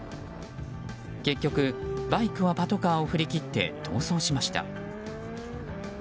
結局、バイクはパトカーを振り切って逃走しました。